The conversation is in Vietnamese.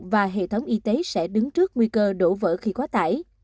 và hệ thống y tế sẽ đứng trước nguy cơ đổ vỡ khi quá tải